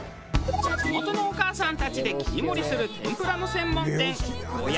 地元のお母さんたちで切り盛りするてんぷらの専門店呉屋。